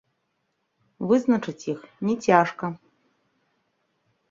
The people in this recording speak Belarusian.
Вызначыць іх не цяжка.